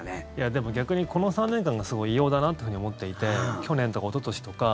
でも、逆にこの３年間がすごい異様だなと思っていて去年とおととしとか。